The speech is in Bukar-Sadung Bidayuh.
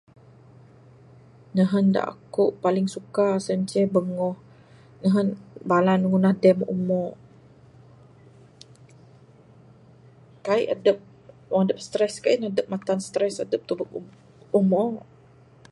Nehen da paling aku suka sien inceh bengoh, nehen bala ne ngunah tab umok. Kaik adep, wang adep stress gain adep matan stress adep tubek umok.